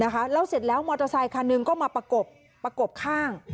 แล้วเสร็จแล้วมอเตอร์ไซคันหนึ่งก็มาประกบข้าง